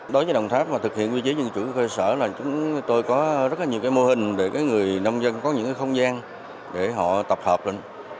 đối với đồng tháp mà thực hiện quy chế dân chủ cơ sở là chúng tôi có rất là nhiều cái mô hình để cái người nông dân có những cái không gian để họ tập hợp lên